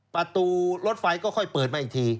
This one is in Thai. ประตูรถไฟก็ค่อยเปิดมาอีกที